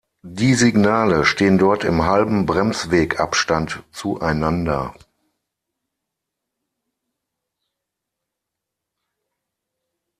Die Signale stehen dort im halben Bremswegabstand zueinander.